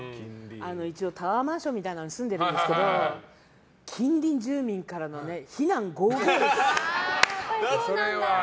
一応タワーマンションみたいなのに住んでるんですけど近隣住民からの非難ごうごうです。